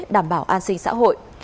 đảm bảo an sinh xã hội